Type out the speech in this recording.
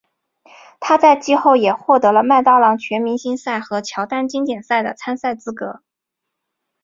他在季后也获得了麦当劳全明星赛和乔丹经典赛的参赛资格。